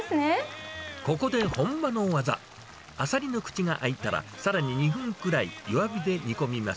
ここで本場の技、アサリの口が開いたら、さらに２分くらい弱火で煮込みます。